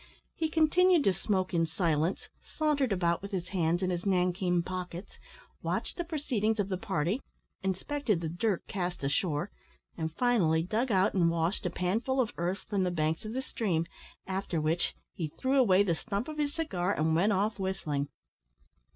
He continued to smoke in silence, sauntered about with his hands in his nankeen pockets, watched the proceedings of the party, inspected the dirt cast ashore, and, finally, dug out and washed a panful of earth from the banks of the stream, after which he threw away the stump of his cigar, and went off whistling.